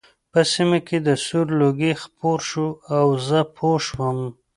په سیمه کې سور لوګی خپور شو او زه پوه شوم